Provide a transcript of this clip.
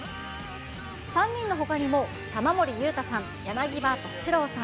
３人のほかにも、玉森裕太さん、柳葉敏郎さん、